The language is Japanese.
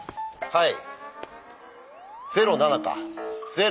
はい。